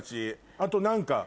あと何か。